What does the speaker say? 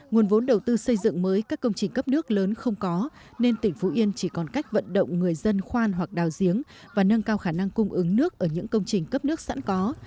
nguồn vốn đầu tư xây dựng mới các công trình cấp nước lớn không có nên tỉnh phú yên chỉ còn cách vận động người dân khoan hoặc đào giếng và nâng cao khả năng cung ứng nước ở những công trình cấp nước sẵn có